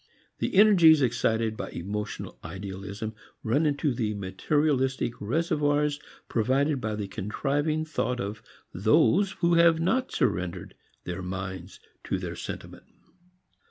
The energies excited by emotional idealism run into the materialistic reservoirs provided by the contriving thought of those who have not surrendered their minds to their sentiment.